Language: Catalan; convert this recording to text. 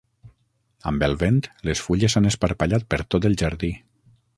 Amb el vent, les fulles s'han esparpallat per tot el jardí.